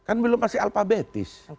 kan belum masih alfabetis